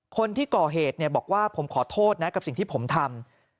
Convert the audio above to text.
คนที่ก่อเหตุบอกว่าผมขอโทษนะกับสิ่งที่ผมทำ